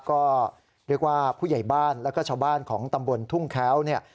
ก็เรียกว่าผู้ใหญ่บ้านแล้วก็ชาวบ้านของตำบลทุ่งแค้วเนี่ย